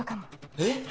えっ？